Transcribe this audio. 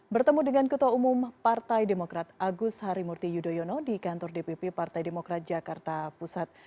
bertemu dengan ketua umum partai demokrat agus harimurti yudhoyono di kantor dpp partai demokrat jakarta pusat